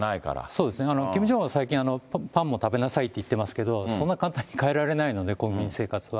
そうですね、キム・ジョンウンは最近、パンも食べなさいって言ってますけど、そんなに簡単に変えられないので、国民生活は。